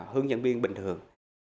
hướng dẫn viên bình thường